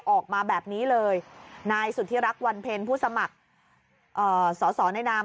ออกมาแบบนี้เลยนายสุธิรักวันเพ็ญผู้สมัครสอสอในนาม